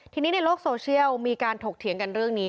ทีนี้ในโลกโซเชียลมีการถกเถียงกันเรื่องนี้